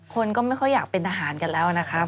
คนก็ไม่ค่อยอยากเป็นทหารกันแล้วนะครับ